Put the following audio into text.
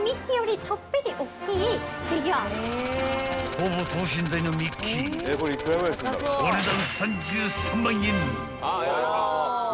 ［ほぼ等身大のミッキーお値段］